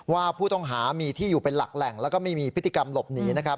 ว่าผู้ต้องหามีที่อยู่ระหลักแหล่งแล้วไม่มีพฤติกรรมหลบหนี